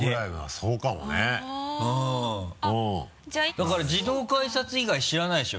だから自動改札以外知らないでしょ？